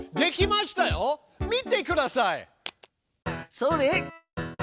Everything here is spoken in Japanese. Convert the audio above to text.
それ！